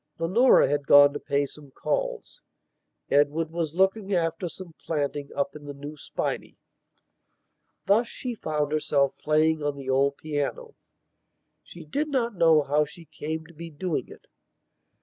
Leonora had gone to pay some calls; Edward was looking after some planting up in the new spinney. Thus she found herself playing on the old piano. She did not know how she came to be doing it.